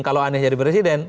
kalau anies jadi presiden